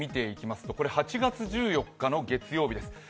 海外の気象機関の予測を見ていきますと、８月１４日の月曜日です。